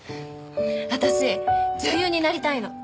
私女優になりたいの。